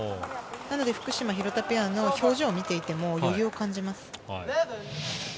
福島・廣田ペアの表情を見ていても余裕を感じます。